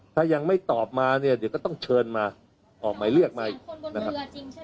ถ้ายังไม่ตอบมาเนี่ยเดี๋ยวก็ต้องเชิญมาออกหมายเรียกมาอีกนะครับ